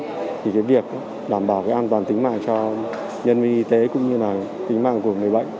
thì cái việc đảm bảo cái an toàn tính mạng cho nhân viên y tế cũng như là tính mạng của người bệnh